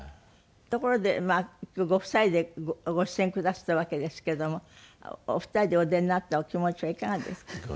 ところで今日ご夫妻でご出演くだすったわけですけどもお二人でお出になったお気持ちはいかがですか？